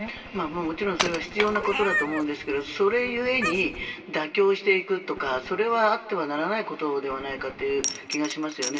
もちろんそれは必要なことだと思うんですがそれ故に妥協していくとかそれはあってはならないことではないかという気がしますよね。